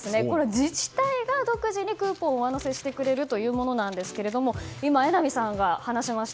自治体が独自にクーポンを上乗せしてくれるものなんですが今、榎並さんが話しました